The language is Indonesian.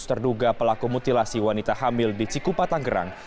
terduga pelaku mutilasi wanita hamil di cikupa tanggerang